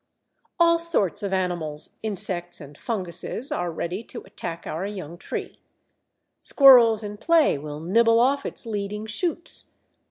All sorts of animals, insects, and funguses are ready to attack our young tree. Squirrels in play will nibble off its leading shoots.